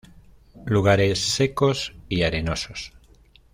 Lugares secos y arenosos.